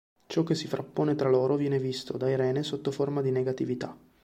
Ciò che si frappone tra loro viene visto, da Irene, sotto forma di negatività.